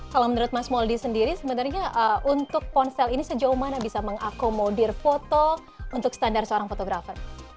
kalau menurut mas mouldie sendiri sebenarnya untuk ponsel ini sejauh mana bisa mengakomodir foto untuk standar seorang fotografer